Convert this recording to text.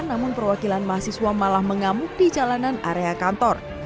namun perwakilan mahasiswa malah mengamuk di jalanan area kantor